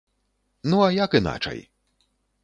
Ну, а як іначай.